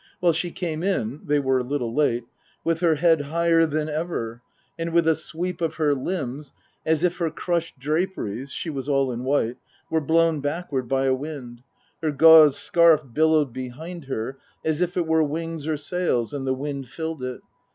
Well, she came in (they were a little late) with her head higher than ever, and with a sweep of her limbs, as if her crushed draperies (she was all in white) were blown backward by a wind ; her gauze scarf billowed behind her as if it were wings or sails and the wind filled it.